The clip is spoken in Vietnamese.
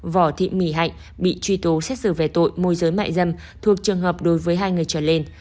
võ thị mỹ hạnh bị truy tố xét xử về tội môi giới mại dâm thuộc trường hợp đối với hai người trở lên